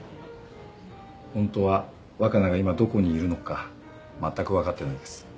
ホントは若菜が今どこにいるのかまったく分かってないです。